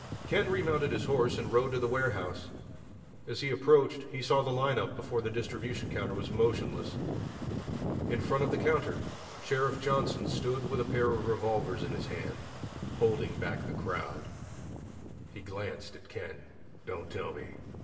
Ken remounted his horse and rode to the warehouse. As he approached, he saw the lineup before the distribution counter was motionless. In front of the counter, Sheriff Johnson stood with a pair of revolvers in his hands, holding back the crowd. He glanced at Ken and said, "Don't tell me!